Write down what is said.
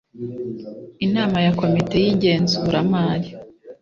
Inama ya Komite y Igenzura mari